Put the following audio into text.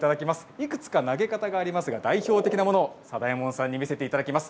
いくつか投げ方がありますが代表的なものを貞右衛門さんに見せていただきます。